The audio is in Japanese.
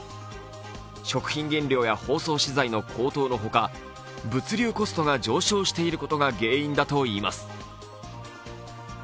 食品原料や包装資材の高騰のほか物流コストが上昇していることが原因だといいます。